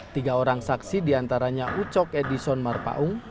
tiga orang saksi diantaranya ucok edison marpaung